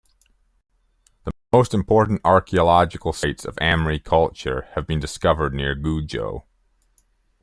The most important archaeological sites of Amri Culture has been discovered near Gujo.